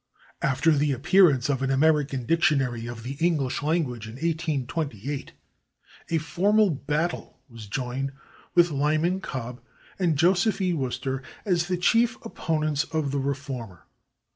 After the appearance of "An American Dictionary of the English Language," in 1828, a formal battle was joined, with Lyman Cobb and Joseph E. Worcester as the chief opponents of the reformer.